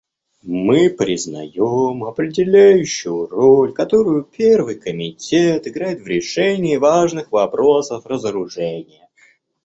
Мы признаем определяющую роль, которую Первый комитет играет в решении важных вопросов разоружения.